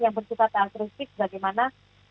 yang bersifat altruistik bagaimana